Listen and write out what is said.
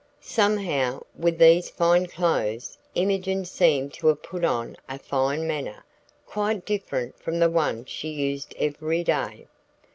Somehow, with these fine clothes, Imogen seemed to have put on a fine manner, quite different from the one she used every day.